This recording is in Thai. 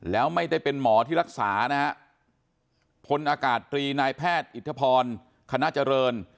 แล้วไม่ได้เป็นหมอที่รักษานะฮะพลอากาศตรีนายแพทย์อิทธพรคณะเจริญ